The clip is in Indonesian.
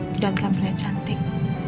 jangan sampai dia cantik